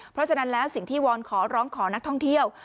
เพราะฉะนั้นแล้วสิ่งที่วอนขอร้องขอนักท่องเที่ยว